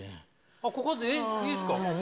ここでいいですか。